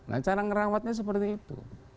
nah cara ngerawatnya seperti itu